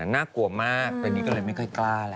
น่ากลัวมากตอนนี้ก็เลยไม่ค่อยกล้าแล้ว